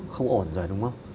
không ổn rồi đúng không